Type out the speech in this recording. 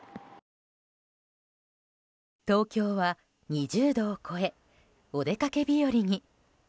東京は、２０度を超えお出かけ日和に。